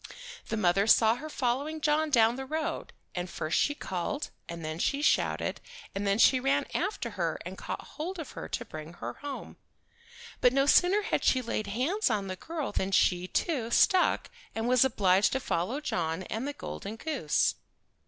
The mother saw her following John down the road, and first she called, and then she shouted, and then she ran after her and caught hold of her to bring her home. But no sooner had she laid hands on the girl than she, too, stuck, and was obliged to follow John and the golden goose.